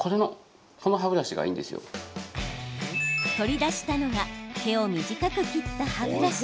取り出したのが毛を短く切った歯ブラシ。